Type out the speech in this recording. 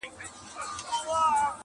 o انساني کرامت تر سوال للاندي دی,